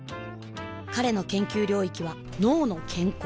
彼の研究領域は「脳の健康」